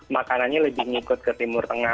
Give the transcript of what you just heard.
makanannya lebih ngikut ke timur tengah